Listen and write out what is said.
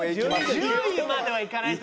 １０位まではいかないと。